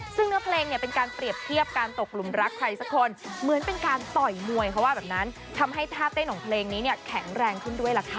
ซึ่งเนื้อเพลงเนี่ยเป็นการเปรียบเทียบการตกหลุมรักใครสักคนเหมือนเป็นการต่อยมวยเขาว่าแบบนั้นทำให้ท่าเต้นของเพลงนี้เนี่ยแข็งแรงขึ้นด้วยล่ะค่ะ